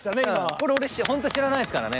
これ俺本当知らないですからね